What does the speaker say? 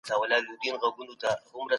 د ملکيت حق په قرآن کي ذکر سوی دی.